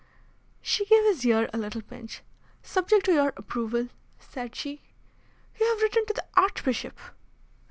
She gave his ear a little pinch. "Subject to your approval," said she. "You have written to the Archbishop."